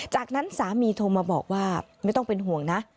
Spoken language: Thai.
จากนั้นสามีโทรมาบอกว่าไม่ต้องเป็นห่วงนะ